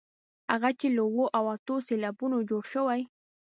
هغه چې له اوو او اتو سېلابونو جوړې شوې.